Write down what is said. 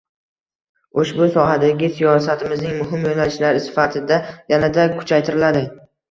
ushbu sohadagi siyosatimizning muhim yo‘nalishlari sifatida yanada kuchaytiriladi.